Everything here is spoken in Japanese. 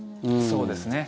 そうですね。